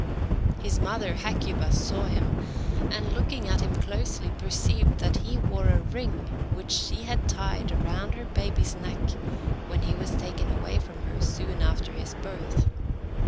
His mother, Hecuba, saw him, and looking at him closely, perceived that he wore a ring which she had tied round her baby's neck when he was taken away from her soon after his birth.